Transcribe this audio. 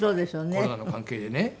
コロナの関係でね。